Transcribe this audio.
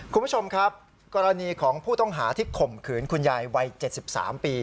คุณผู้ชมครับกรณีของผู้ต้องหาที่ข่มขืนคุณยายวัย๗๓ปี